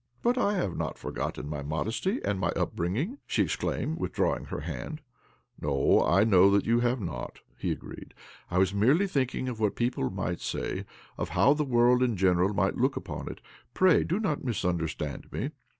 :" But I have not forgotten my modesty and my upbringing," she exclaimed, with drawing her hands. "No, I know that you have not," he agreed. " I was merely thinking of what people might say — of how the world in general migjit look upon it all. Pray do not misunderstand me.